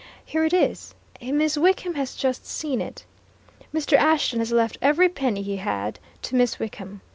Here it is! Miss Wickham has just seen it. Mr. Ashton has left every penny he had to Miss Wickham.